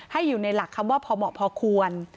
อยู่ในหลักคำว่าพอเหมาะพอควร